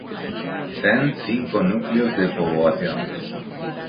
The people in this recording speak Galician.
Ten cinco núcleos de poboación.